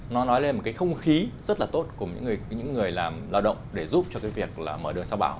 nó nói lên một cái không khí rất là tốt của những người làm lao động để giúp cho việc mở đường sau bão